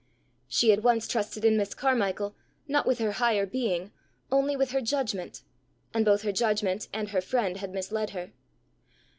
She had once trusted in Miss Carmichael, not with her higher being, only with her judgment, and both her judgment and her friend had misled her.